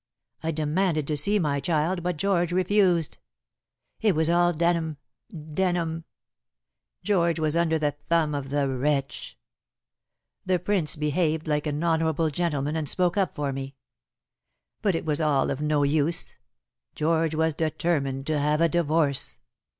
I demanded to see my child, but George refused. It was all Denham Denham. George was under the thumb of the wretch. The Prince behaved like an honorable gentleman, and spoke up for me. But it was all of no use. George was determined to have a divorce."